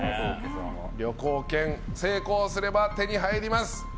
旅行券、成功すれば手に入ります。